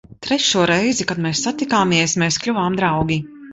Trešo reizi, kad mēs satikāmies, mēs kļuvām draugi.